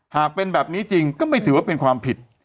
หากเป็นแบบนี้จริงก็ไม่ถือว่าเป็นความผิด